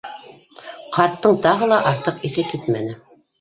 Ҡарттың тағы ла артыҡ иҫе китмәне.